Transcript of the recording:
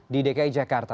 di dki jakarta